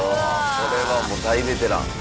これはもう大ベテラン。